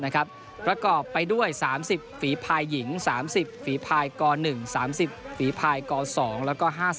แล้วก็ไปด้วย๓๐ฝีพายหญิง๓๐ฝีพายก๑๓๐ฝีพายก๒